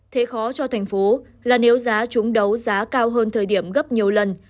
thế khó cho thành phố là nếu giá chúng đấu giá cao hơn thời điểm gấp nhiều lần